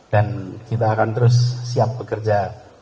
dan kita akan terus siap bekerja